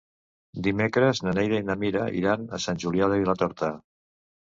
Dimecres na Neida i na Mira iran a Sant Julià de Vilatorta.